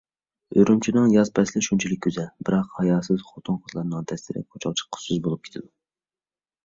ئۈرۈمچىنىڭ ياز پەسلى شۇنچىلىك گۈزەل، بىراق ھاياسىز خوتۇن-قىزلارنىڭ دەستىدىن كوچىغا چىققۇسىزلا بولۇپ كېتىدۇ.